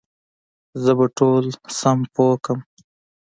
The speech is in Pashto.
زه به ټول سم پوه کړم